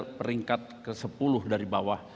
ke peringkat ke sepuluh dari bawah